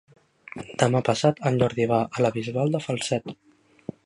Demà passat en Jordi va a la Bisbal de Falset.